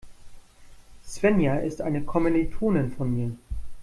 Svenja ist eine Kommilitonin von mir.